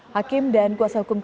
hakim dan kuasa hukum